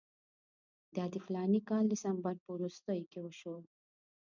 دا د فلاني کال د ډسمبر په وروستیو کې وشو.